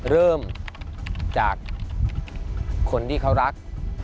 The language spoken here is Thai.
เริ่มจากคนที่เขารัก